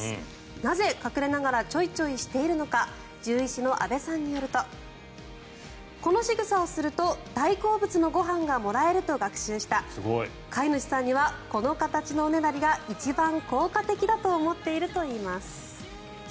なぜ隠れながらチョイチョイしているのか獣医師の阿部さんによるとこのしぐさをすると大好物のご飯がもらえると学習した飼い主さんにはこの形のおねだりが一番効果的だと思っているといいます。